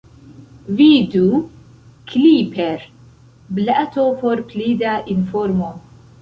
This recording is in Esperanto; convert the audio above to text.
Vidu "Clipper"-blato por pli da informo.